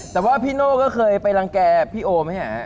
แต่ว่าพี่โน่ก็เคยไปลังแก่พี่โอไม่ใช่ไหม